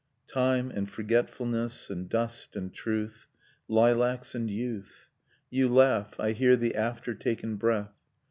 Time, and forgetfulness, and dust and truth, Lilacs and youth. You laugh, I hear the after taken breath.